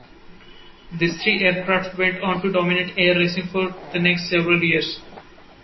These three aircraft went on to dominate air racing for the next several years.